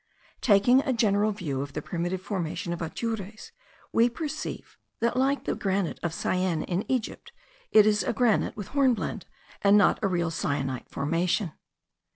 Taking a general view of the primitive formation of Atures, we perceive, that, like the granite of Syene in Egypt, it is a granite with hornblende, and not a real syenite formation.